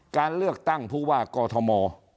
การเลือกตั้งผู้ว่ากอทม